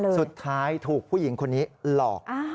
สุดท้ายถูกผู้หญิงคนนี้หลอก